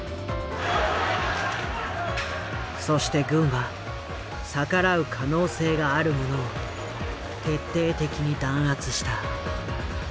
そして軍は逆らう可能性がある者を徹底的に弾圧した。